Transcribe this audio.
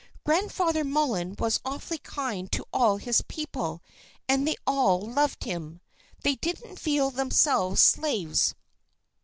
Grandfather Mullin was awfully kind to all his people, and they all loved him. They didn't feel themselves slaves.